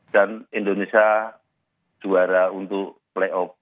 dan indonesia juara untuk playoff